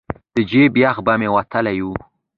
د جیب بیخ به مې وتلی و.